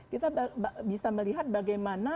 kita bisa melihat bagaimana